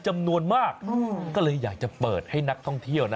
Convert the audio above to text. มาพาทุเรียน